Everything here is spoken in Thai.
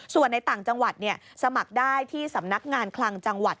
ส่วนในต่างจังหวัดสมัครได้ที่สำนักงานคลังจังหวัด